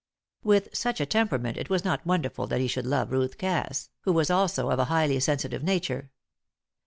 With such a temperament it was not wonderful that he should love Ruth Cass, who also was of a highly sensitive nature.